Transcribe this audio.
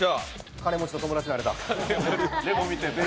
金持ちと友達になれた。